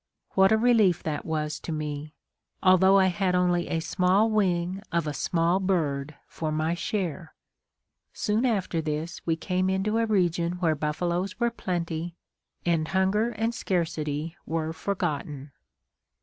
What a relief that was to me although I had only a small wing of a small bird for my share! Soon after this, we came into a region where buffaloes were plenty, and hunger and scarcity were forgotten.